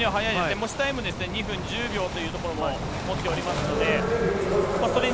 持ちタイム２分１０秒というところも持っておりますので、それに